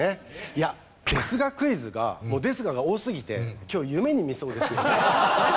いやですがクイズがもう「ですが」が多すぎて今日夢に見そうですよね。